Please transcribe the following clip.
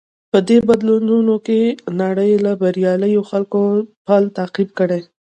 په دې بدليدونکې نړۍ کې د برياليو خلکو پل تعقيب کړئ.